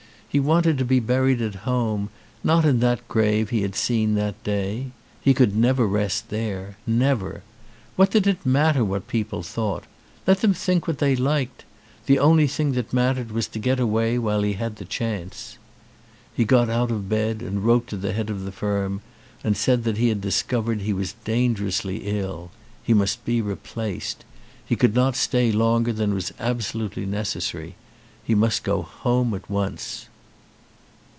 He wanted to be buried at home, not in that grave he had seen that day. He could never rest there. Never. What did it matter what people thought? Let them think what they liked. The only thing that mattered was to get away while he had the chance. He got out of bed and wrote to the head of the firm and said he had discovered he was dangerously ill. He must be replaced. He could not stay longer than was absolutely necessary. He must go home at once.